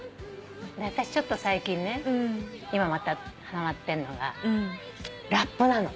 私ちょっと最近ね今またはまってるのがラップなの。